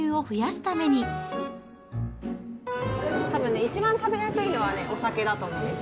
たぶん一番食べやすいのはお酒だと思うんです。